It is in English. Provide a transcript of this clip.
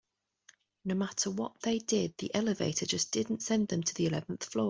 No matter what they did, the elevator just didn't send them to the eleventh floor.